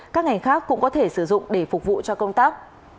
các ngành khác cũng có thể sử dụng để phục vụ cho công tác